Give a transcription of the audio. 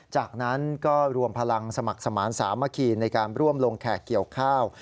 จากนั้นก็รวมพลังสมัครสมาธิสามัคคีในการร่วมลงแขกเกี่ยวข้าว